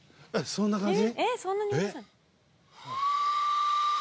そんな感じ？